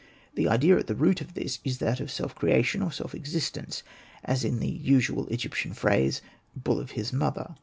The idea at the root of this is that of self creation or self existence, as in the usual Egyptian phrase, '^ bull of his mother."